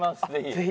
ぜひ。